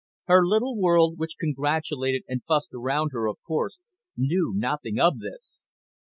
Her little world which congratulated and fussed around her, of course, knew nothing of this.